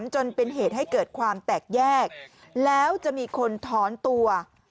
จนเป็นเหตุให้เกิดความแตกแยกแล้วจะมีคนถอนตัว